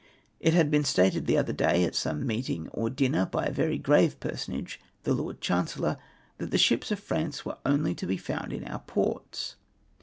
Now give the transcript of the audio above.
It had been stated the otlier day at some meeting or dinner by a very grave personage, the Lord Chancellor, that the ships of France were only to be found in our ports.